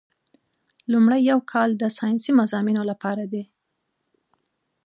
لومړی یو کال د ساینسي مضامینو لپاره دی.